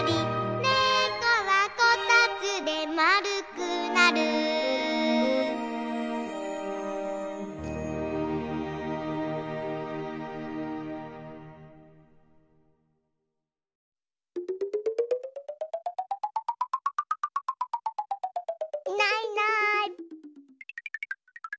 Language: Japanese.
「ねこはこたつでまるくなる」いないいない。